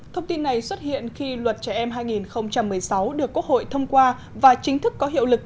thông tin này xuất hiện khi luật trẻ em hai nghìn một mươi sáu được quốc hội thông qua và chính thức có hiệu lực